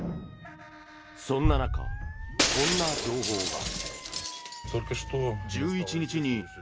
そんな中、こんな情報が。